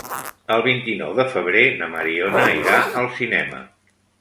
El vint-i-nou de febrer na Mariona irà al cinema.